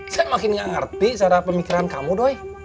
saya makin gak ngerti secara pemikiran kamu doi